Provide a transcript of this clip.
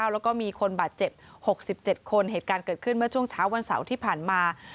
แล้วก็มีคนบาดเจ็บ๖๗คนเหตุการณ์เกิดขึ้นเมื่อช่วงเช้าวันเสาร์ที่ผ่านมา